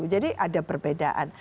jadi ada perbedaan